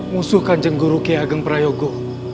musuh kanjeng guru kiai agang prayoko